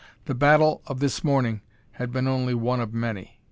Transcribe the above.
The battle of this morning had been only one of many.